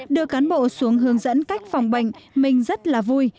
đưa cán bộ xuống hướng dẫn cách phòng bệnh mình rất là vui